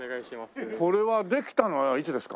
これはできたのはいつですか？